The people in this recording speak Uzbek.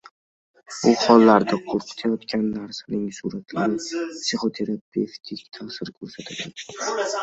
Bu hollarda qo‘rqitayotgan narsaning suratlari psixoterapevtik ta’sir ko‘rsatadi.